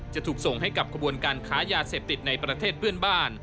จะถูกส่งให้กับขบวนการค้ายาเสพติดในประเทศเพื่อนบ้าน